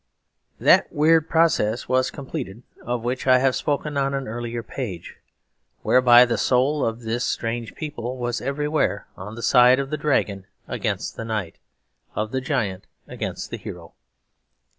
That weird process was completed of which I have spoken on an earlier page, whereby the soul of this strange people was everywhere on the side of the dragon against the knight, of the giant against the hero.